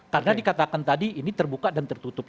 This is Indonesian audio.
karena dikatakan tadi ini terbuka dan tertutup